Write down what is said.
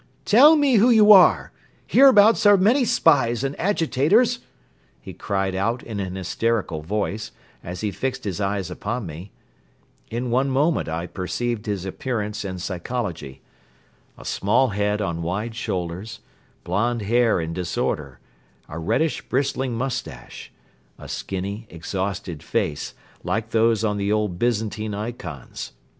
"Tell me who you are! Hereabouts are many spies and agitators," he cried out in an hysterical voice, as he fixed his eyes upon me. In one moment I perceived his appearance and psychology. A small head on wide shoulders; blonde hair in disorder; a reddish bristling moustache; a skinny, exhausted face, like those on the old Byzantine ikons.